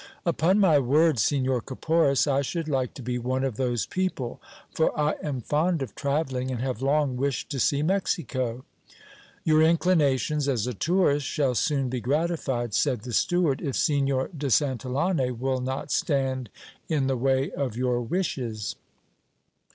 Upon my word, Signor Caporis, I should like to be one of those people; for I am fond of travelling, and have long wished to see Mexico. Your inclinations as a tourist shall soon be gratified, said the steward, if Signor de Santillane will not stand in the way of your wishes.